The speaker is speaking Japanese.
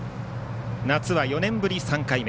夏は４年ぶり３回目。